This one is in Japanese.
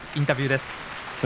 インタビューです。